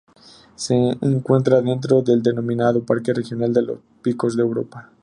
Se encuentra dentro del denominado Parque Regional de los Picos de Europa.